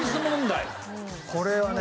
これはね